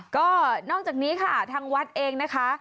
ก็นอกจากนี้ค่ะทางวัดเองนะคะ